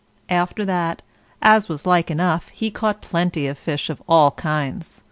After that, as was like enough, he caught plenty of fish of all kinds.